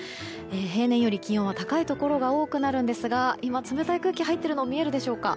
平年より気温は高いところが多くなるんですが今冷たい空気入っているの見えるでしょうか。